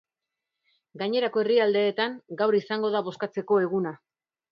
Gainerako herrialdeetan, gaur izango da bozkatzeko eguna.